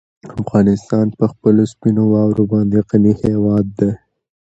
افغانستان په خپلو سپینو واورو باندې غني هېواد دی.